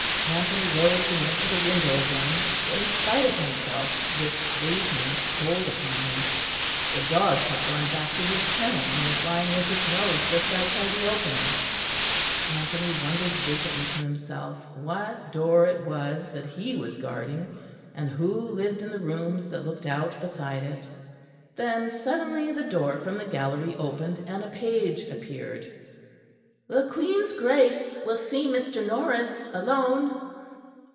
Anthony rose and went to the window again, for, in spite of himself, this waiting told upon him. The dog had gone back to his kennel and was lying with his nose just outside the opening. Anthony wondered vacantly to himself what door it was that he was guarding, and who lived in the rooms that looked out beside it. Then suddenly the door from the gallery opened and a page appeared. "The Queen's Grace will see Mr. Norris alone."